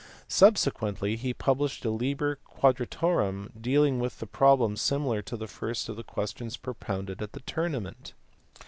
Subsequently he published a Liber Quadratorum dealing with problems similar to the first of the questions propounded at the tournament*.